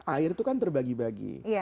air itu kan terbagi bagi